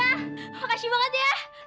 makasih banget ya